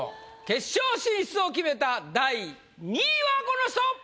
決勝進出を決めた第２位はこの人！